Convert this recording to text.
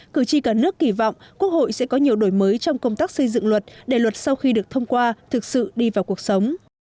cử tri cả nước kỳ vọng quốc hội sẽ có nhiều đổi mới trong công tác xây dựng luật để luật sau khi được thông qua thực sự đi vào cuộc sống